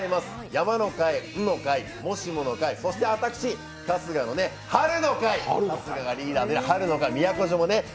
山の会、んの会、もしもの会、そして私、春日の春の会、春日がリーダーで宮古島ね